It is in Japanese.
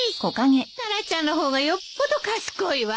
タラちゃんの方がよっぽど賢いわ。